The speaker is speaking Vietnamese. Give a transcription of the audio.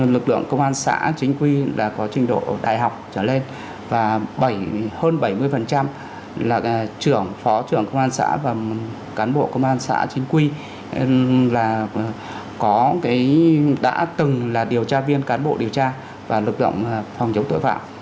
lực lượng công an xã chính quy đã có trình độ đại học trở lên và hơn bảy mươi là trưởng phó trưởng công an xã và cán bộ công an xã chính quy là đã từng là điều tra viên cán bộ điều tra và lực lượng phòng chống tội phạm